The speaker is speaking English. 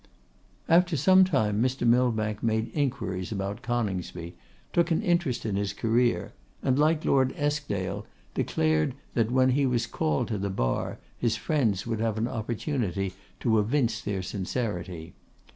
After some time, Mr. Millbank made inquiries about Coningsby, took an interest in his career, and, like Lord Eskdale, declared that when he was called to the bar, his friends would have an opportunity to evince their sincerity.